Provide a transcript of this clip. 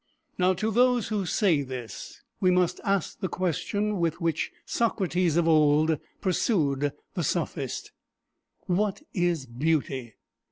Now, to those who say this we must ask the question with which Socrates of old pursued the sophist: What is beauty?